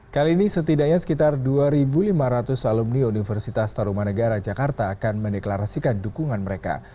kali ini setidaknya sekitar dua lima ratus alumni universitas taruman negara jakarta akan mendeklarasikan dukungan mereka